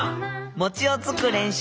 餅をつく練習。